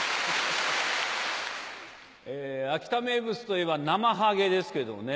秋田名物といえば「なまはげ」ですけどね。